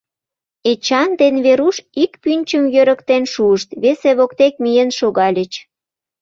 Эчан ден Веруш ик пӱнчым йӧрыктен шуышт, весе воктек миен шогальыч.